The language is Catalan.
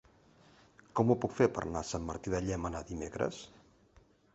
Com ho puc fer per anar a Sant Martí de Llémena dimecres?